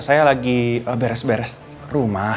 jadi kan biar dari satu teman